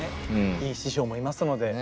いい師匠もいますので。